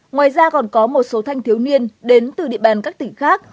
ngoài ra còn có một số thanh thiếu niên đến từ địa bàn các tỉnh khác